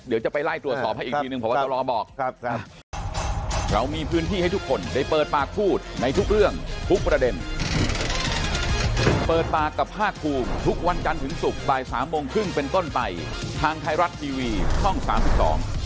เดี๋ยวจะไปไล่ตรวจสอบให้อีกทีนึงเพราะว่าจะรอบอก